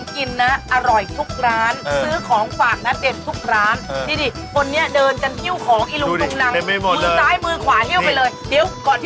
ฉันก็อยากกลับใช่ไหมฉันอยากจะไปกับหนูเม็ดก่อนด้วยอะไรก็